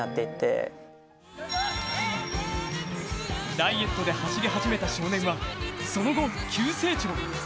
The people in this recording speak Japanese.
ダイエットで走り始めた少年は、その後、急成長。